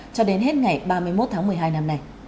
cho đến hết ngày ba mươi một tháng một mươi hai năm nay